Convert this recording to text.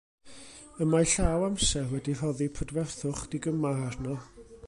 Y mae llaw amser wedi rhoddi prydferthwch digymar arno.